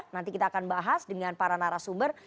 nanti kita akan bahas dengan para narasumber